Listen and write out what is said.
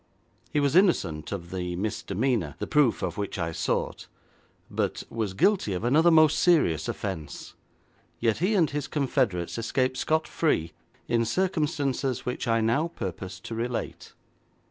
He was innocent of the misdemeanour, the proof of which I sought, but was guilty of another most serious offence, yet he and his confederates escaped scot free in circumstances which I now purpose to relate.